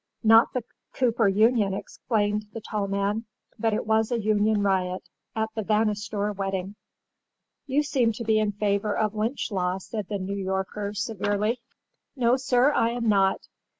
"Not the Cooper Union," explained the tall man—"but it was a union riot—at the Vanastor wedding." "You seem to be in favor of lynch law," said the New Yorker, severely. "No, sir, I am not.